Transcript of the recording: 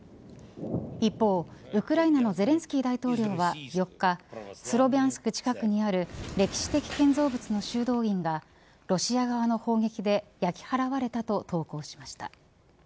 一方ウクライナのゼレンスキー大統領は４日、スロビャンスク近くにある歴史的建造物の修道院がロシア側の砲撃で焼き払われたと投稿しました。